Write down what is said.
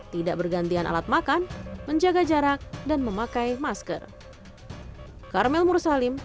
tidak bergantian alat makan menjaga jarak dan memakai masker